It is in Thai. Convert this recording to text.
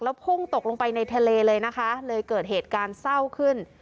พุ่งตกลงไปในทะเลเลยนะคะเลยเกิดเหตุการณ์เศร้าขึ้น